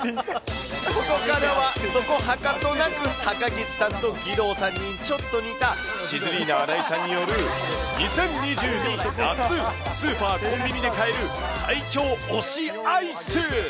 ここからはそこはかとなく高岸さんと義堂さんにちょっと似たシズリーナ荒井さんによる、２０２２夏スーパー・コンビニで買える最強推しアイス。